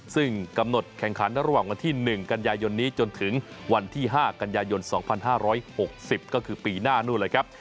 ซึ่งกำหนดแข่งขันระหว่างวันที่๑กันยายนนี้จนถึงวันที่๕กันยายน๒๕๖๐ก็คือปีหน้านู่นเลยครับ